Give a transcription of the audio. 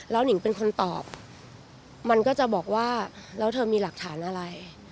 แล้วนิงเป็นคนตอบมันก็จะบอกว่าแล้วเธอมีหลักฐานอะไร